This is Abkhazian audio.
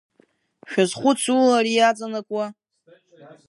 Шәазхәыцу ари иаҵанакуа.